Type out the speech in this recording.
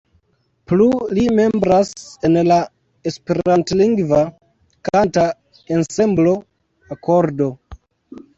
Plu li membras en la esperantlingva kanta ensemblo Akordo.